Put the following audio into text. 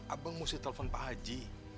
abang mesti telepon pak haji